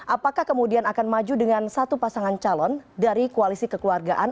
apakah kemudian akan maju dengan satu pasangan calon dari koalisi kekeluargaan